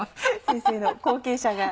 先生の後継者が。